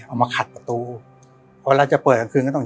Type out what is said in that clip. เอามาขัดประตูเพราะเวลาจะเปิดกลางคืนก็ต้อง